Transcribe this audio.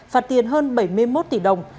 phạt tiền hơn bảy mươi một tỷ đồng